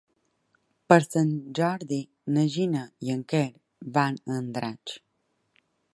Per Sant Jordi na Gina i en Quer van a Andratx.